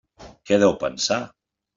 Què deu pensar?